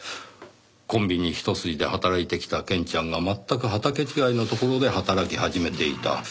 コンビニひと筋で働いてきたケンちゃんが全く畑違いのところで働き始めていた。